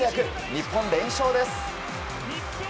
日本、連勝です。